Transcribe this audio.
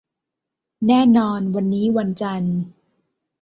แน่นอน วันนี้วันจันทร์